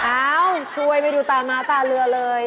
อ้าวช่วยมาไปดูตาม้าตาเรือเลย